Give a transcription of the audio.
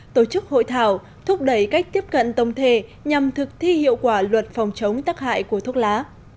tổ chức hội thảo thúc đẩy cách tiếp cận tổng thể nhằm thực thi hiệu quả luật phòng chống tắc hại của thuốc lá